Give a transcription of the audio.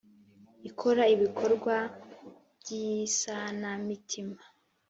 Ikora ibikorwa by’ isanamitima.